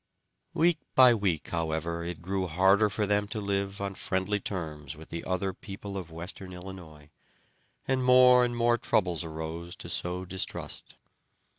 Week by week, however, it grew harder for them to live on friendly terms with the other people of Western Illinois, and more and more troubles arose to sow distrust.